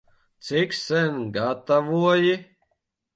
Cik sen gatavoji?